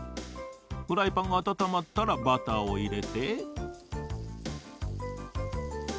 フライパンがあたたまったらバターをいれて。